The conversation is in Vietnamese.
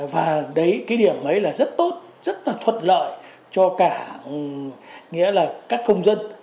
và cái điểm ấy là rất tốt rất là thuận lợi cho cả các công dân